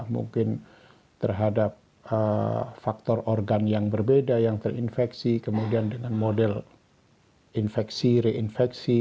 mungkin terhadap faktor organ yang berbeda yang terinfeksi kemudian dengan model infeksi reinfeksi